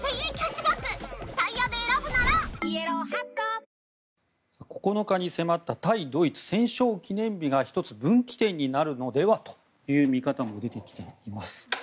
ぷはーっ９日に迫った対ドイツ戦勝記念日が１つ、分岐点になるのではという見方も出てきています。